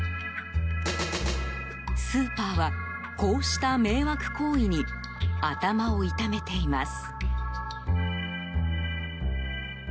スーパーは、こうした迷惑行為に頭を痛めています。